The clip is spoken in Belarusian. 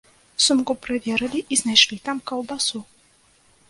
Сумку праверылі і знайшлі там каўбасу.